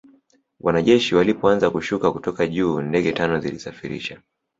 wanajeshi walipoanza kushuka kutoka juu Ndege tano zilisafirisha